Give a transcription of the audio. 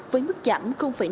với mức giảm năm hai